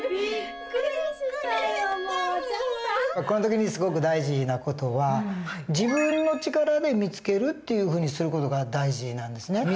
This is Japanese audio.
この時にすごく大事な事は自分の力で見つけるというふうにする事が大事なんですね。